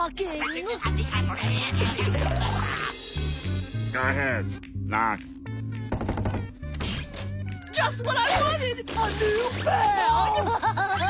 アハハハ！